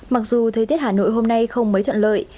mặc dù thời tiết hà nội hôm nay không mấy thuận lợi